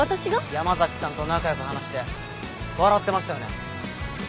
山崎さんと仲よく話して笑ってましたよね？